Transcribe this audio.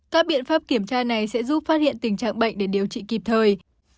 các biện pháp kiểm tra này sẽ giúp phát hiện tình trạng bệnh để điều trị kịp thời